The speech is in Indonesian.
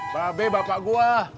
babe bapak gua